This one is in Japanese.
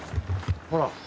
ほら。